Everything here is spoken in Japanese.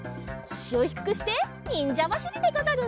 こしをひくくしてにんじゃばしりでござる。